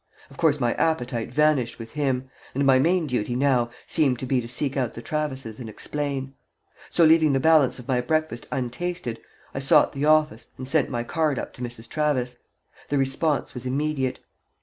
Of course my appetite vanished with him, and my main duty now seemed to be to seek out the Travises and explain; so leaving the balance of my breakfast untasted, I sought the office, and sent my card up to Mrs. Travis. The response was immediate.